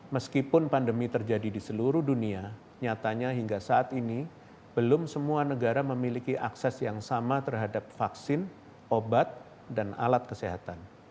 meskipun pandemi terjadi di seluruh dunia nyatanya hingga saat ini belum semua negara memiliki akses yang sama terhadap vaksin obat dan alat kesehatan